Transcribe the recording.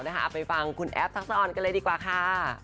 เอาไปฟังคุณแอฟทักษะออนกันเลยดีกว่าค่ะ